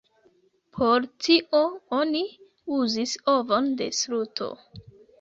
Por tio oni uzis ovon de struto.